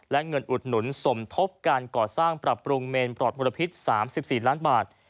และเงินอุดหนุนสมทบการก่อสร้างปรับปรุงเมนปลอดมลพิษ๓๔ล้านบาท